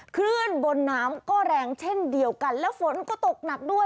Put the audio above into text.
ขึ้นบนน้ำก็แรงเช่นเดียวกันและฝนก็ตกหนักด้วย